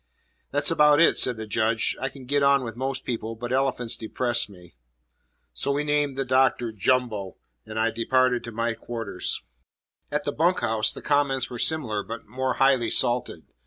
"That's about it," said the Judge. "I can get on with most people. But elephants depress me." So we named the Doctor "Jumbo," and I departed to my quarters. At the bunk house, the comments were similar but more highly salted.